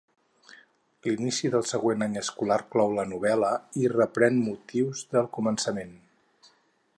L'inici del següent any escolar clou la novel·la i reprèn motius del començament.